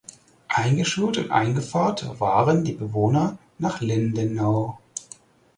Eingeschult und eingepfarrt waren die Bewohner nach Lindenau.